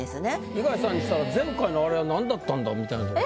東さんにしたら前回のあれはなんだったんだみたいなところがね。